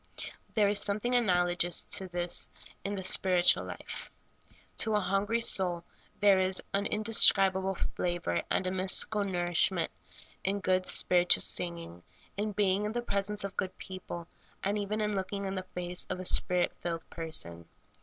There is something analogous to this in the spirit ual life. To a hungry soul there is an indescribable fla vor and a mystical nourishment in good, spiritual sing ing, in being in the presence of good people, and even in looking in the face of a Spirit filled person.